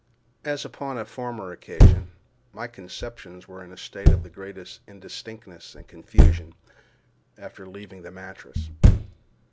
As upon a former occasion my conceptions were in a state of the greatest indistinctness and confusion after leaving the mattress.